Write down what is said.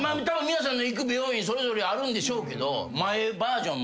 皆さんの行く美容院それぞれあるんでしょうけど。